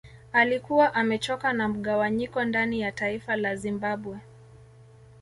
Alikuwa amechoka na mgawanyiko ndani ya taifa la Zimbabwe